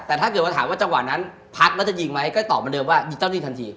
แต่ถ้าเกิดว่าถามว่าจังหวะนั้นพัดแล้วจะยิงไหมก็ตอบเหมือนเดิมว่ายิงเจ้าที่ทันที